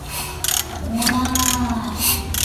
— Му-ы-нам!..